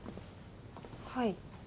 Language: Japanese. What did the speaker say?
はい。